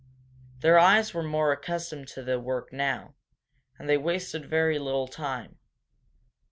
Their eyes were more accustomed to the work now, and they wasted very little time.